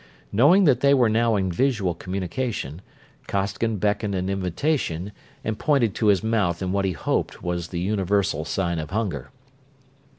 Knowing that they were now in visual communication, Costigan beckoned an invitation and pointed to his mouth in what he hoped was the universal sign of hunger.